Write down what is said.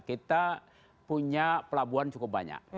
kita punya pelabuhan cukup banyak